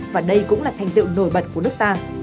và đây cũng là thành tựu nổi bật của nước ta